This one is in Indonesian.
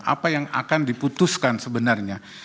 apa yang akan diputuskan sebenarnya